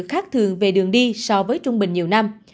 khác thường về đường đi so với trung bình nhiều năm